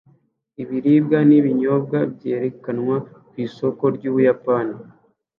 Ibiribwa n'ibinyobwa byerekanwa ku isoko ry'Ubuyapani